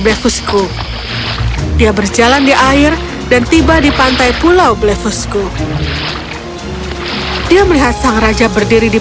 blefusku dia berjalan di air dan tiba di pantai pulau blefusku dia melihat sang raja berdiri di